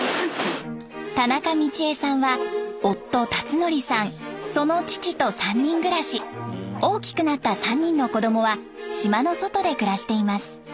田中美千枝さんは夫辰徳さんその父と３人暮らし。大きくなった３人の子供は島の外で暮らしています。